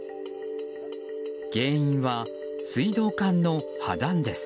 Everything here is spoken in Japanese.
原因は水道管の破断です。